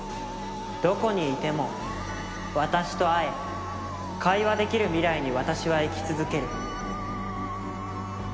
「どこにいても私と会え会話できる未来に私は生き続ける」